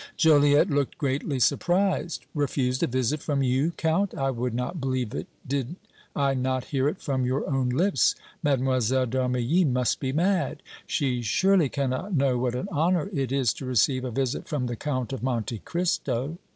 Joliette looked greatly surprised. "Refused a visit from you, Count! I would not believe it did I not hear it from your own lips. Mlle. d' Armilly must be mad! She surely cannot know what an honor it is to receive a visit from the Count of Monte Cristo!"